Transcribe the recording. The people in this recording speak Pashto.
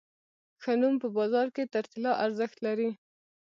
ښه نوم په بازار کې تر طلا ارزښت لري.